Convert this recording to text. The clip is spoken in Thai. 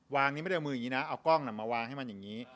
นี้ไม่ได้เอามืออย่างนี้นะเอากล้องมาวางให้มันอย่างนี้